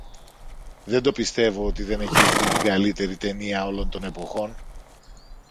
Δεν το πιστεύω ότι δεν έχεις δει την καλύτερη ταινία όλων των εποχών.